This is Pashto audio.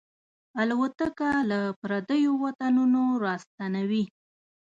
الوتکه له پردیو وطنونو راستنوي.